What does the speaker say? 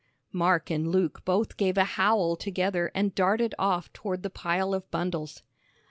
_" Mark and Luke both gave a howl together and darted off toward the pile of bundles.